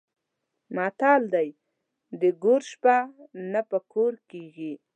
متل دی: د ګور شپه نه په کور کېږي.